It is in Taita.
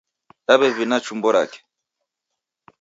Daw'evina chumbo rake.